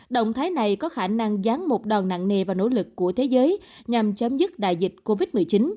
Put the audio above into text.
động thái này có khả năng gián một đòn nặng nề và nỗ lực của thế giới nhằm chấm dứt đại dịch covid một mươi chín